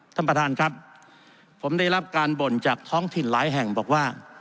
ท่านประธานครับผมได้รับการบ่นจากท้องถิ่นหลายแห่งบอกว่า